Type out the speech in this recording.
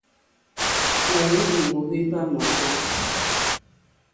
Nà hwenì mohvemba mɔ̀kɔ.